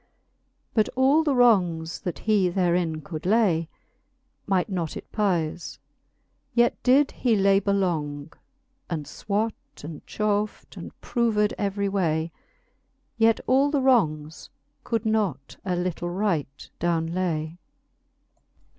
But all the wrongs, that he therein could ky, Might not it peife; yet did he labour long, And fwat, and chauf 'd, and proved every way ; Yet all the wrongs could not a litle right downe way.